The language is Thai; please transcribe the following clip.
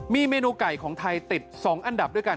มีเมนูไก่ของไทยติด๒อันดับด้วยกัน